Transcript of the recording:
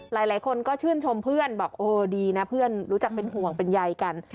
หลายคนก็ชื่นชมเพื่อนบอกโอ้ดีนะเพื่อนรู้จักเป็นห่วงเป็นใยกัน